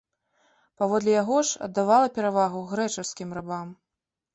Паводле яго ж, аддавала перавагу грэчаскім рабам.